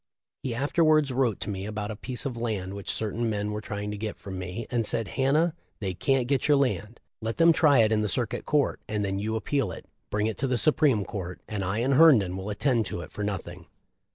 He afterwards wrote to me about a piece of land which certain men were trying to get from me, and said : 'Hannah, they can't get your land. Let them try it in the Cir cuit Court, and then you appeal it ; bring it to the Supreme Court and I and Herndon will attend to it for nothing.'